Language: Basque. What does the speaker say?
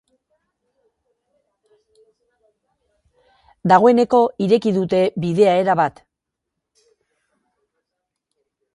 Dagoeneko ireki dute bidea erabat.